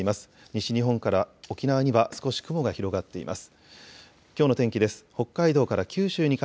西日本から沖縄には少し雲が広がっています。